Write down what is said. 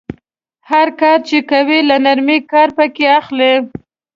هر کار چې کوئ له نرمۍ کار پکې اخلئ.